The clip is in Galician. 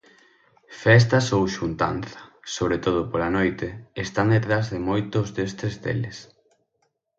Festas ou xuntanza, sobre todo pola noite, están detrás de moitos destes deles.